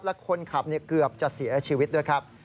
และคนขับเกือบจะเสียชีวิตด้วยครับ